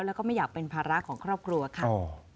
แล้วก็ไม่อยากเป็นภาระของครอบครัวค่ะ